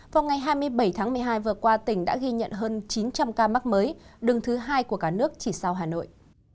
vào ngày hai mươi bảy tháng một mươi hai vừa qua tỉnh đã ghi nhận hơn chín trăm linh ca mắc mới đứng thứ hai của cả nước chỉ sau hà nội